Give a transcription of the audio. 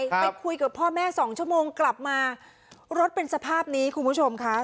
ไปคุยกับพ่อแม่สองชั่วโมงกลับมารถเป็นสภาพนี้คุณผู้ชมค่ะ